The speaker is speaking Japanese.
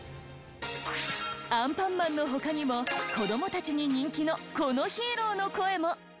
アンパンマンの他にも子どもたちに人気のこのヒーローの声も。